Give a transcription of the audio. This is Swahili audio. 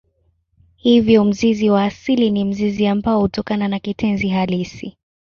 Hivyo mzizi wa asili ni mzizi ambao hutokana na kitenzi halisi.